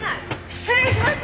失礼します！